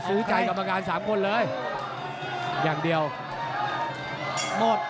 หรือว่าผู้สุดท้ายมีสิงคลอยวิทยาหมูสะพานใหม่